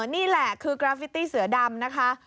นี่แหละคือกราฟิตี้เสือดำนะคะ